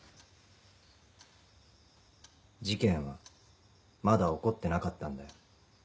事件はまだ起こってなかったんだよ。